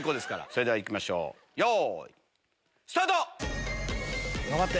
それではいきましょうよいスタート！頑張って！